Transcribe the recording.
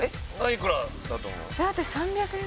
いくらだと思う？